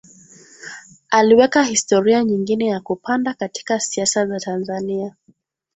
Aliweka historia nyingine ya kupanda katika siasa za Tanzania